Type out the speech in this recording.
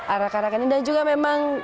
arah arahkan ini dan juga memang